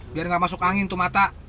biar gak masuk angin tuh mata